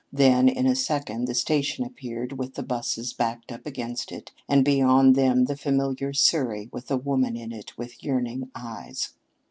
Then, in a second, the station appeared with the busses backed up against it, and beyond them the familiar surrey with a woman in it with yearning eyes.